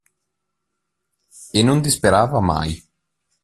E non disperava mai.